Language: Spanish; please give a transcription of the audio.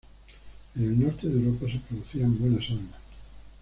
En el norte de Europa se producían buenas armas.